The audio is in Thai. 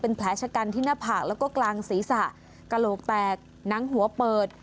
แผลชะกันที่หน้าผากแล้วก็กลางศีรษะกระโหลกแตกหนังหัวเปิด